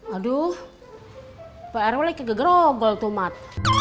aduh pak rw kegerogol tuh mat